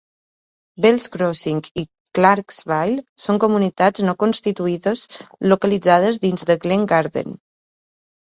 Bells Crossing i Clarksville són comunitats no constituïdes localitzades dins de Glen Gardner.